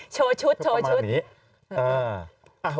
โชว์ชุดโชว์ชุด